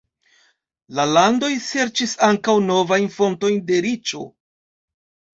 La landoj serĉis ankaŭ novajn fontojn de riĉo.